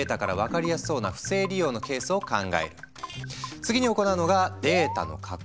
次に行うのがデータの加工。